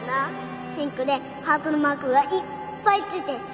ピンクでハートのマークがいっぱい付いたやつ